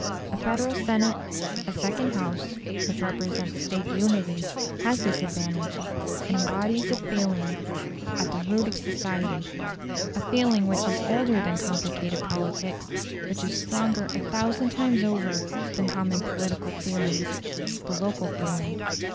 A federal senate, a second House, which represents State unity, has this advantage; it embodies a feeling at the root of society a feeling which is older than complicated politics, which is stronger a thousand times over than common political feelings the local feeling.